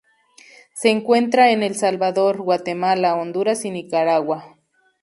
Se encuentra en El Salvador, Guatemala, Honduras y Nicaragua.